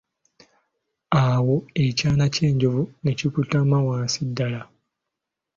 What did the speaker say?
Awo ekyana ky'enjovu ne kikutama wansi ddala.